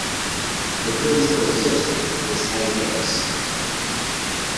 The principal city is Angers.